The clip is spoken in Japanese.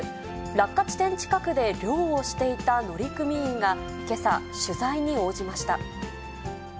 落下地点近くで漁をしていた乗組員がけさ、取材に応じました。